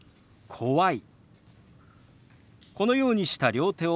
「怖い」。